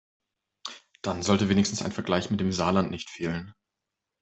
Dann sollte wenigstens ein Vergleich mit dem Saarland nicht fehlen.